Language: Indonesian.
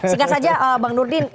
singkat saja bang nurdin